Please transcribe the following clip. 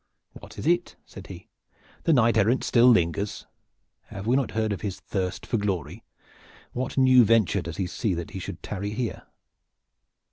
"What," said he, "the knight errant still lingers? Have we not heard of his thirst for glory? What new venture does he see that he should tarry here?"